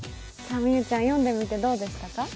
美羽ちゃん、読んでみてどうしでしたか？